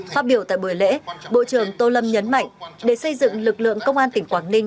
phát biểu tại buổi lễ bộ trưởng tô lâm nhấn mạnh để xây dựng lực lượng công an tỉnh quảng ninh